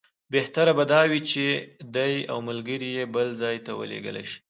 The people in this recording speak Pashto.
بهتره به دا وي چې دی او ملګري یې بل ځای ته ولېږل شي.